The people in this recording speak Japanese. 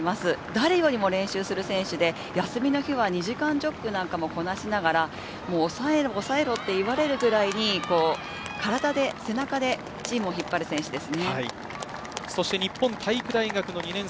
誰よりも練習する選手で、休みの日は２時間ジョグなんかもこなしながら抑えろと言われるぐらいに体で、背中でチームを引っ張る選手です。